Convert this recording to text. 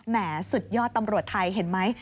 สุดยอดตำรวจไทยเห็นไหม